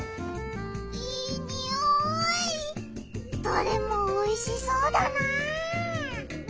どれもおいしそうだな！